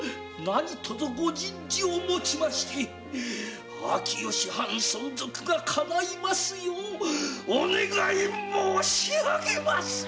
ご仁慈をもちまして秋吉藩存続がかないますようお願い申し上げまする。